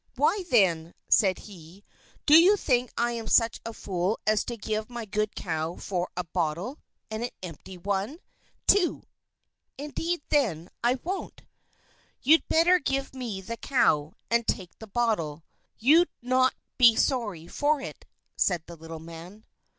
"Why, then," said he, "do you think I am such a fool as to give my good cow for a bottle and an empty one, too! Indeed, then, I won't!" "You'd better give me the cow, and take the bottle you'll not be sorry for it," said the little man.